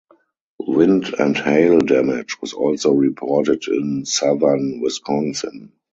Wind and hail damage was also reported in Southern Wisconsin.